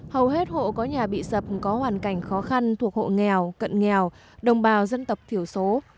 hầu hết hộ có nhà bị sập có hoàn cảnh khó khăn thuộc hộ nghèo cận nghèo đồng bào dân tộc thiểu số